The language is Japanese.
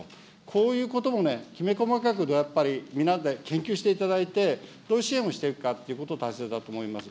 こういうこともね、きめ細かくやっぱり皆で研究していただいて、どういう支援をしていただくかということ、大切だと思います。